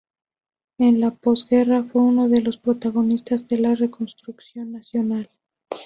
En la posguerra fue uno de los protagonistas de la reconstrucción nacional.